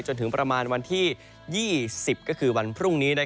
จนถึงประมาณวันที่๒๐ก็คือวันพรุ่งนี้